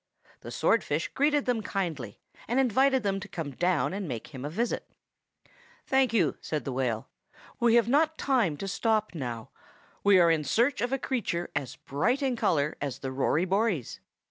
The swordfish greeted them kindly, and invited them to come down and make him a visit. "Thank you," said the whale. "We have not time to stop now. We are in search of a creature as bright in color as the Rory Bories.